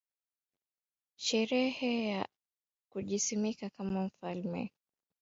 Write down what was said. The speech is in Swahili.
sherehe ya kujisimika kama mfalme mwaka elfumoja miatisa sabini na Saba not